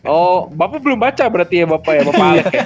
oh bapak belum baca berarti ya bapak ya